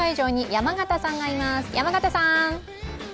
山形さん。